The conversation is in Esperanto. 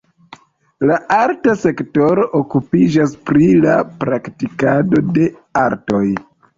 La arta sektoro okupiĝas pri la praktikado de artoj.